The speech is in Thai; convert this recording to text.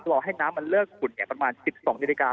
รอให้น้ำมันเลิกขุ่นประมาณ๑๒นาฬิกา